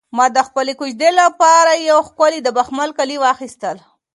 ما د خپلې کوژدنې لپاره یو ښکلی د بخمل کالي واخیستل.